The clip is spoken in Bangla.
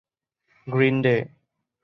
green day